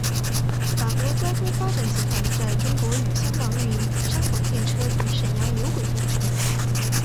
法国交通发展集团在中国与香港营运香港电车与沈阳有轨电车。